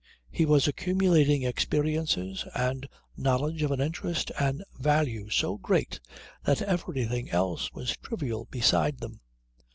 He was accumulating experiences and knowledge of an interest and value so great that everything else was trivial beside them.